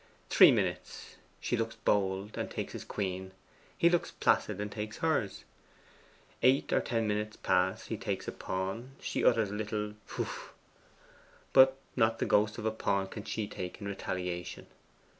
Three minutes: she looks bold, and takes his queen: he looks placid, and takes hers. Eight or ten minutes pass: he takes a pawn; she utters a little pooh! but not the ghost of a pawn can she take in retaliation.